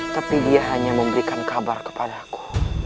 tapi dia hanya memberikan kabar kepada aku